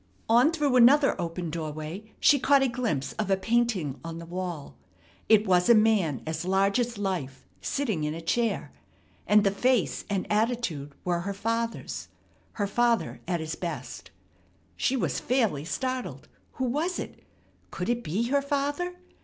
On through another open doorway she caught a glimpse of a painting on the wall. It was a man as large as life, sitting in a chair; and the face and attitude were her father's her father at his best. She was fairly startled. Who was it? Could it be her father?